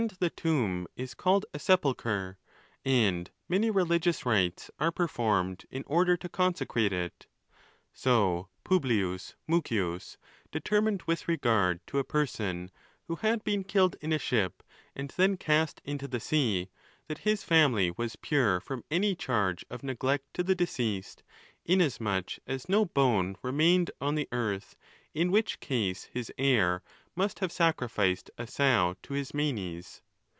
the tomb is called a sepulchre, and many religious rites are performed in order to consecrate it. So Publius Mucius determined with regard to a person who had been killed in a ship, and then cast into the sea, that his family was pure from any charge of neglect to the deceased, inasmuch as no bone remained on the earth, in which case his heir must have sacrificed a sow to his manes.